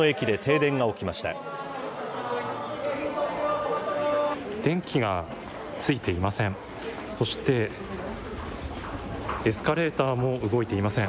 電気がついていません。